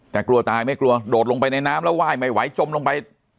แต่กลัวตายไม่กลัวโดดลงไปในน้ำแล้วไหว้ไม่ไหวจมลงไป